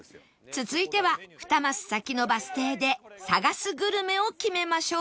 続いては２マス先のバス停で探すグルメを決めましょう